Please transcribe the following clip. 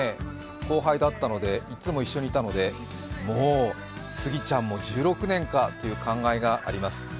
後輩だったので、いっつも一緒にいたので、もう杉ちゃんも１６年かという感慨があります。